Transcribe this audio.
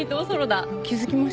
気付きました？